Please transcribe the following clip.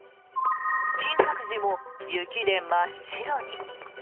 金閣寺も雪で真っ白に。